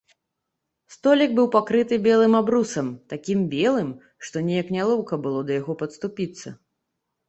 Столік быў пакрыты белым абрусам, такім белым, што неяк нялоўка было да яго падступіцца.